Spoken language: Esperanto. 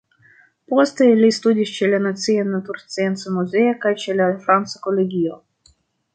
Poste, li studis ĉe la Nacia Naturscienca Muzeo kaj ĉe la Franca Kolegio.